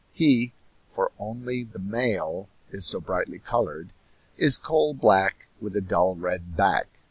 He for only the male is so brightly colored is coal black with a dull red back.